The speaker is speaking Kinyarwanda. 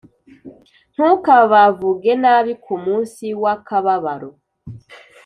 ntukabavuge nabi ku munsi w’akababaro!